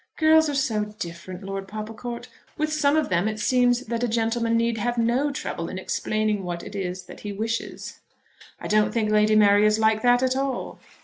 "Girls are so different, Lord Popplecourt. With some of them it seems that a gentleman need have no trouble in explaining what it is that he wishes." "I don't think Lady Mary is like that at all."